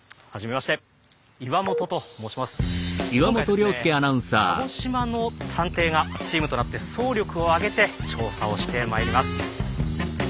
今回はですね鹿児島の探偵がチームとなって総力を挙げて調査をしてまいります。